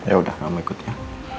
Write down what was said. yaudah gak mau ikut ya